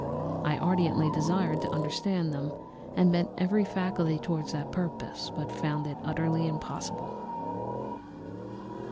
I ardently desired to understand them, and bent every faculty towards that purpose, but found it utterly impossible.